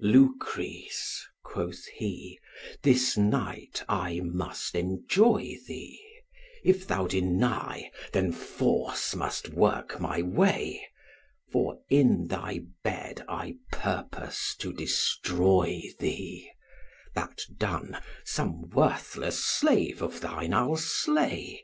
'Lucrece,' quoth he, 'this night I must enjoy thee: If thou deny, then force must work my way, For in thy bed I purpose to destroy thee: That done, some worthless slave of thine I'll slay.